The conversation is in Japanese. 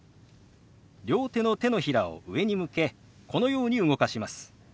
両手の手のひらを上に向けこのように動かします。